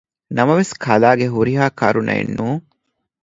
ނަމަވެސް ކަލާގެ ހުރިހާ ކަރުނައެއް ނޫން